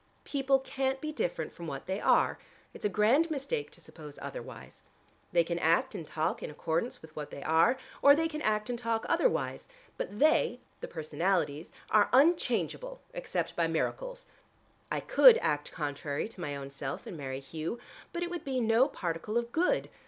People can't be different from what they are. It's a grand mistake to suppose otherwise. They can act and talk in accordance with what they are, or they can act and talk otherwise, but they, the personalities, are unchangeable except by miracles. I could act contrary to my own self and marry Hugh, but it would be no particle of good.